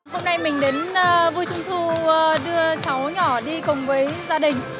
hôm nay mình đến vui trung thu đưa cháu nhỏ đi cùng với gia đình